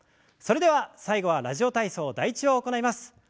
それでは最後は「ラジオ体操第１」を行います。